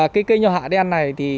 cây nho hạ đen này